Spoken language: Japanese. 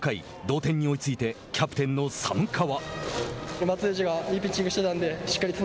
同点に追いついてキャプテンの寒川。